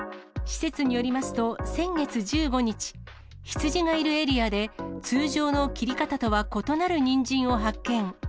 施設によりますと、先月１５日、羊がいるエリアで、通常の切り方とは異なるにんじんを発見。